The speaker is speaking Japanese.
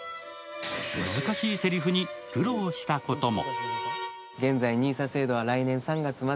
難しいせりふに苦労したことも。